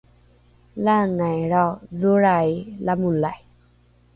laangailrao dholrai lamolai